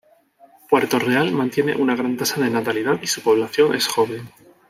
Puerto Real mantiene una gran tasa de natalidad y su población es joven.